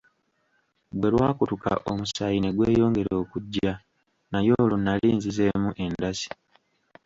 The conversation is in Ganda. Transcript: Bwe lwakutuka omusaayi ne gweyongera okujja, naye olwo nali nzizeemu endasi .